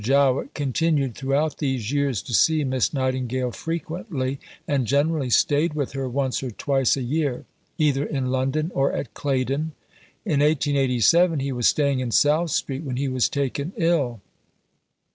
Jowett continued throughout these years to see Miss Nightingale frequently, and generally stayed with her once or twice a year either in London or at Claydon. In 1887 he was staying in South Street when he was taken ill.